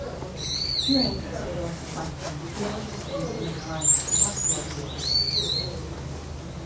During Cassiodorus's lifetime, theological study was on the decline and classical writings were disappearing.